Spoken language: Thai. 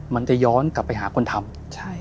มันจะย้อนกลับไปหาคนทำ